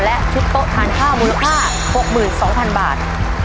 และชุดโต๊ะทานข้าวมูลค่า๖๒๐๐๐บาท